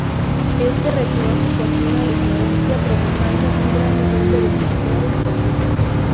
Éste retiró su fortuna de Florencia provocando un gran nivel de desempleo y pobreza.